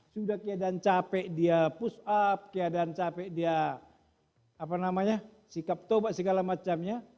sudah keadaan capek dia push up keadaan capek dia sikap tobat segala macamnya